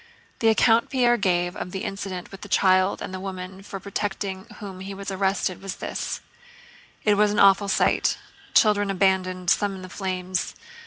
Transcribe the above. The account Pierre gave of the incident with the child and the woman for protecting whom he was arrested was this: "It was an awful sight—children abandoned, some in the flames...